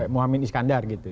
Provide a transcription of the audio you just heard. muhammad iskandar gitu ya